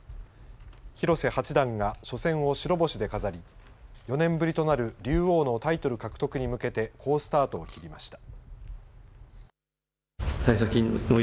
広瀬八段が初戦を白星で飾り４年ぶりとなる「竜王」のタイトル獲得に向けて好スタートを切りました。